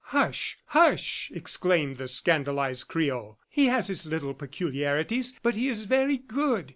"Hush, hush!" exclaimed the scandalized Creole. "He has his little peculiarities, but he is very good.